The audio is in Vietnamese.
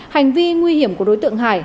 hành vi nguy hiểm của đối tượng hải